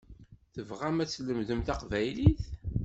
Tebɣam ad tlemdem taqbaylit?